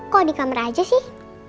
kok di kamar aja sih